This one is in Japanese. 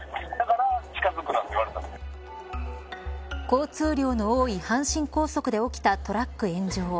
交通量の多い阪神高速で起きたトラック炎上。